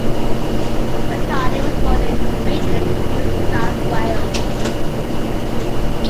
Macartney was born in Maitland, New South Wales.